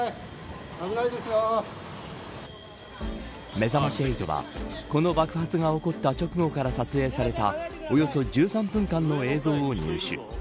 めざまし８はこの爆発が起こった直後から撮影されたおよそ１３分間の映像を入手。